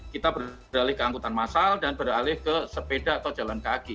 kita beralih ke angkutan massal dan beralih ke sepeda atau jalan kaki